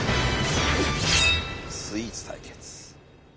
スイーツ対決。